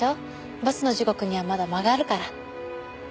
バスの時刻にはまだ間があるから。